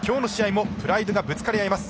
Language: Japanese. プライドがぶつかり合います。